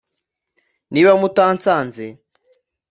niba mutansanze